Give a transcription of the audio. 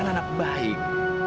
lara kan anak baik